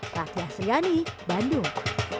tatya syiani bandung